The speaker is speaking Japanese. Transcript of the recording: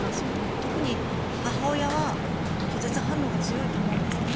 特に母親は拒絶反応が強いと思うんですね。